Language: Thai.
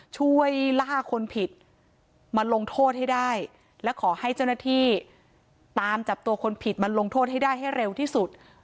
ช่วยล่าคนผิดมาลงโทษให้ได้และขอให้เจ้าหน้าที่ตามจับตัวคนผิดมาลงโทษให้ได้ให้เร็วที่สุด